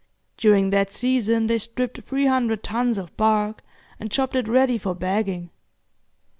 During that season they stripped three hundred tons of bark and chopped it ready for bagging.